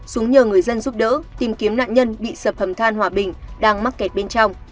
xuống nhờ người dân giúp đỡ tìm kiếm nạn nhân bị sập hầm than hòa bình đang mắc kẹt bên trong